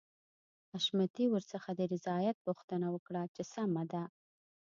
حشمتي ورڅخه د رضايت پوښتنه وکړه چې سمه ده.